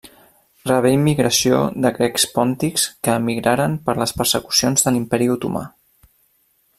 Rebé immigració de grecs pòntics que emigraren per les persecucions de l'Imperi Otomà.